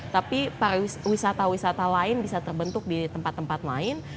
tapi pariwisata wisata lain bisa terbentuk di tempat tempat lain